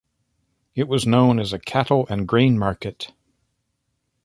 It was known as a cattle and grain market.